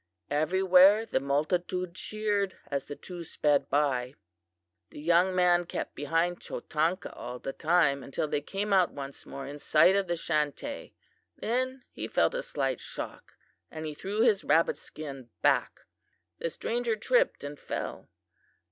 Everywhere the multitude cheered as the two sped by. "The young man kept behind Chotanka all the time until they came once more in sight of the Chantay. Then he felt a slight shock and he threw his rabbit skin back. The stranger tripped and fell.